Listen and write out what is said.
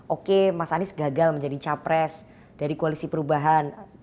oke mas anies gagal menjadi capres dari koalisi perubahan